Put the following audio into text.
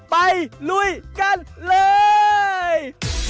ลุยกันเลย